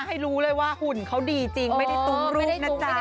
ให้รู้เลยว่าหุ่นเขาดีจริงไม่ได้ตุ้มรูปนะจ๊ะ